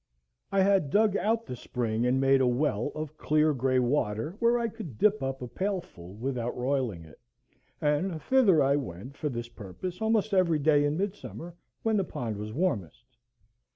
I had dug out the spring and made a well of clear gray water, where I could dip up a pailful without roiling it, and thither I went for this purpose almost every day in midsummer, when the pond was warmest.